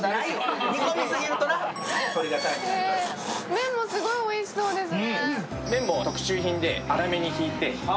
麺もすごいおいしそうですね。